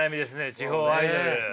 地方アイドル。